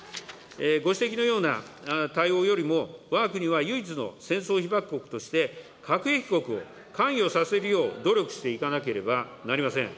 ご指摘のような対応よりも、わが国は唯一の戦争被爆国として、核兵器国を関与させるよう努力していかなければなりません。